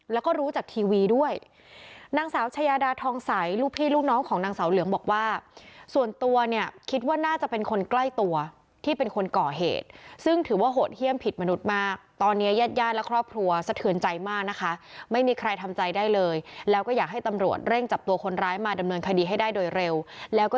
แล้วก็รู้จากทีวีด้วยนางสาวชายาดาทองใสลูกพี่ลูกน้องของนางเสาเหลืองบอกว่าส่วนตัวเนี่ยคิดว่าน่าจะเป็นคนใกล้ตัวที่เป็นคนก่อเหตุซึ่งถือว่าโหดเยี่ยมผิดมนุษย์มากตอนนี้ญาติญาติและครอบครัวสะเทือนใจมากนะคะไม่มีใครทำใจได้เลยแล้วก็อยากให้ตำรวจเร่งจับตัวคนร้ายมาดำเนินคดีให้ได้โดยเร็วแล้วก็